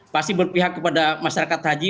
pasti berpihak kepada masyarakat haji